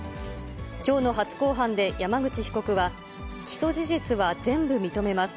きょうの初公判で山口被告は、起訴事実は全部認めます。